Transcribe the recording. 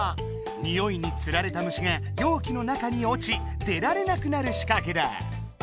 においにつられた虫がようきの中におち出られなくなるしかけだ。